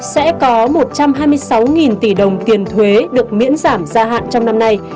sẽ có một trăm hai mươi sáu tỷ đồng tiền thuế được miễn giảm gia hạn trong năm nay